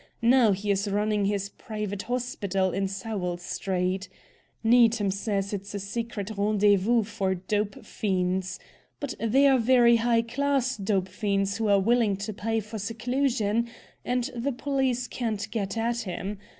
Now he is running this private hospital in Sowell Street. Needham says it's a secret rendezvous for dope fiends. But they are very high class dope fiends, who are willing to pay for seclusion, and the police can't get at him.